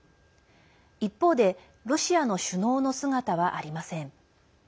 一方でロシアの首脳の姿はありません。